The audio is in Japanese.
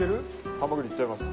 ハマグリいっちゃいます。